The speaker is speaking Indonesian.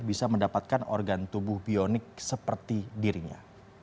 bisa mendapatkan organ tubuh bionik seperti dirinya